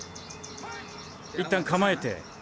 いったんかまえて。